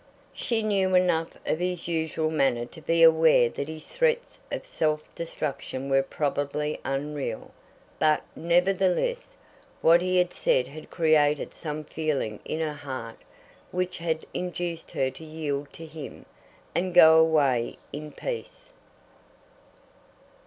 She knew enough of his usual manner to be aware that his threats of self destruction were probably unreal; but, nevertheless, what he had said had created some feeling in her heart which had induced her to yield to him, and go away in peace.